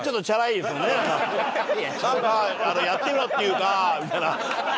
「なんかやってみろっていうか」みたいな。